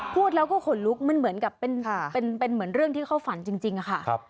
พูดแล้วก็ขนลุกมันเหมือนกับเป็นเหมือนเรื่องที่เขาฝันจริงค่ะ